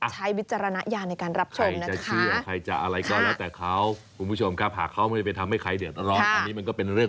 เห็นอะไรแต่ฉันไม่เห็นเลย